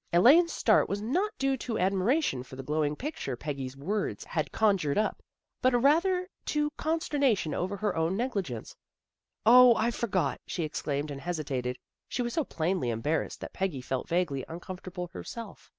Elaine's start was not due to admiration for the glowing picture Peggy's words had con jured up, but rather to consternation over her own negligence. " O, I forgot! " she exclaimed, and hesitated. She was so plainly embarrassed that Peggy felt vaguely uncomfortable herself.